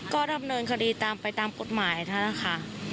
ก็ดำเนินคดีไปตามกฎหมายนะคะ